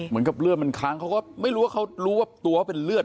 เหมือนกับเลือดมันค้างเขาก็ไม่รู้ว่าเขารู้ว่าตัวเขาเป็นเลือด